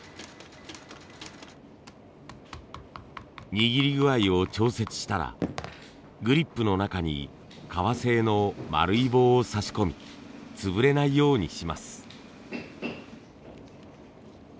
握り具合を調節したらグリップの中に革製の丸い棒をさし込み潰れないようにします。